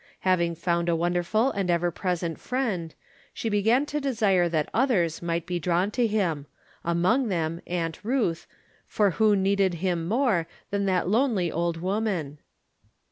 Having found a wonderful and ever present Friend, she began to desire that others might be drawn to him ; among them Aunt Ruth, for who needed him more than that lonely old wo man?